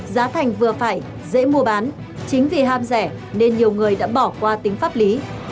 giá thành vừa phải dễ mua bán chính vì ham rẻ nên nhiều người đã bỏ qua tính pháp lý